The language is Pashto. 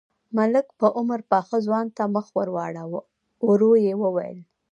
ملک په عمر پاخه ځوان ته مخ ور واړاوه، ورو يې وويل: